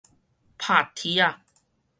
拍鐵仔